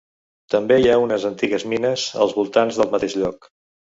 També hi ha unes antigues mines als voltants del mateix lloc.